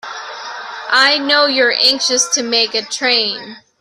I know you're anxious to make a train.